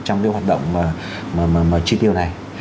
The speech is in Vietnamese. trong cái hoạt động chi tiêu này